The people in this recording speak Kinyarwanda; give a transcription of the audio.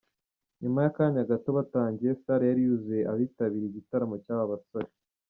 Nyuma y’akanya gato batangiye, salle yari yuzuye abitabiriye igitaramo cy’aba basore.